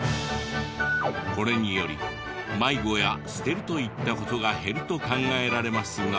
これにより迷子や捨てるといった事が減ると考えられますが。